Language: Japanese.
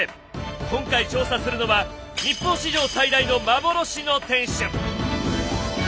今回調査するのは日本史上最大の幻の天守！